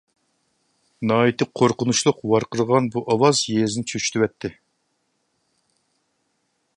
ناھايىتى قورقۇنچلۇق ۋارقىرىغان بۇ ئاۋاز يېزىنى چۆچۈتۈۋەتتى.